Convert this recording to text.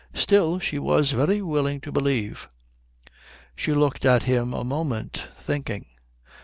Still, she was very willing to believe. She looked at him a moment thinking.